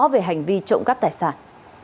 về hành vi trộm cắp tài sản